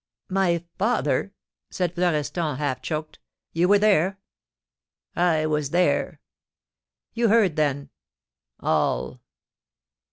"My father!" said Florestan, half choked. "You were there?" "I was there." "You heard, then?" "All!"